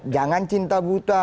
jangan cinta buta